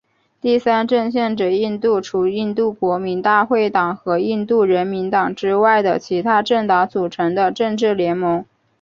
第三阵线指印度除印度国民大会党和印度人民党之外的其它政党组成的政治联盟。